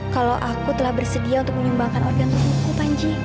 kalau aku telah bersedia untuk menyumbangkan organ tubuhku panji